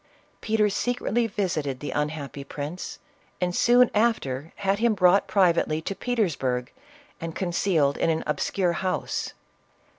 Peter secretly visited the un happy prince, and soon after had him brought privately to Petersburg and concealed in an obscure house.